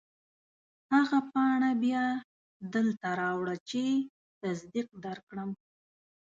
هغه پاڼه بیا دلته راوړه چې تصدیق درکړم.